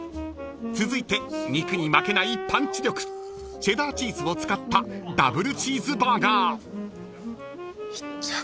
［続いて肉に負けないパンチ力チェダーチーズを使ったダブルチーズバーガー］いっちゃうか。